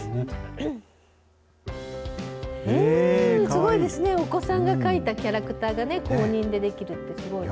すごいですね、お子さんが描いたキャラクターが公認で出来るって、すごい。